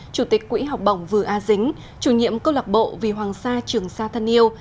chủ tịch quỹ học bổng vừa a dính chủ nhiệm câu lạc bộ vì hoàng sa trường sa thân yêu